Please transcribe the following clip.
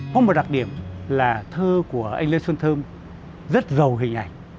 có một đặc điểm là thơ của anh lê xuân thơm rất giàu hình ảnh